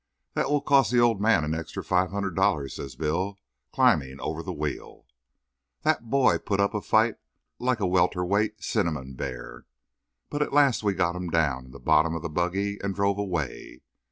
"That will cost the old man an extra five hundred dollars," says Bill, climbing over the wheel. That boy put up a fight like a welter weight cinnamon bear; but, at last, we got him down in the bottom of the buggy and drove away.